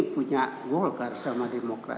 punya golkar sama demokrat